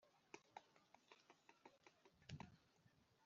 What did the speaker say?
Impanuro ze ziratwubaka cyane